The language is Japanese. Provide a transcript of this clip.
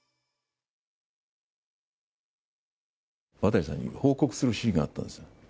渡さんに報告するシーンがあったんですよ。